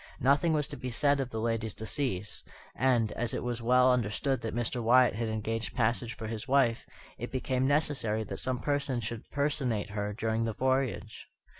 Nothing was to be said of the lady's decease; and, as it was well understood that Mr. Wyatt had engaged passage for his wife, it became necessary that some person should personate her during the voyage.